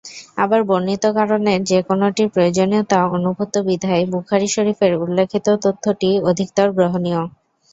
আবার বর্ণিত কারণের যে কোনটির প্রয়োজনীয়তা অনুভূত বিধায় বুখারী শরীফের উল্লেখিত তথ্যটি অধিকতর গ্রহণীয়।